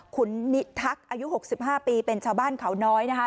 ขุนนิทักษ์อายุ๖๕ปีเป็นชาวบ้านเขาน้อยนะคะ